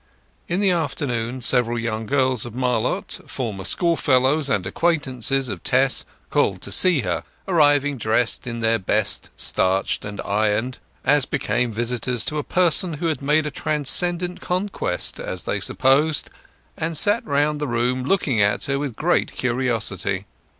In the afternoon several young girls of Marlott, former schoolfellows and acquaintances of Tess, called to see her, arriving dressed in their best starched and ironed, as became visitors to a person who had made a transcendent conquest (as they supposed), and sat round the room looking at her with great curiosity.